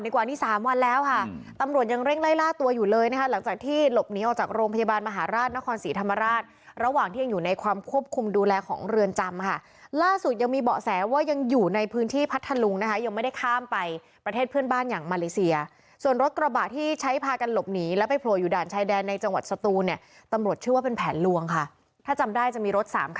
ในกว่านี้สามวันแล้วค่ะตำหรับกระบาดที่ใช้พากันหลบหนีและไปโผล่อยู่ด่านชายแดนในจังหวัดศุตูเนี่ยตำรถชื่อว่าเป็นแผนรวงค่ะถ้าจำได้จะมีรถสาม